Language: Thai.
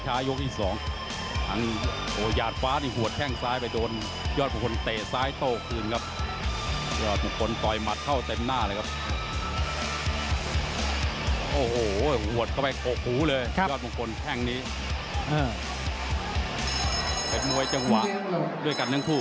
รักแรงเหมือนกันนะพี่ชัย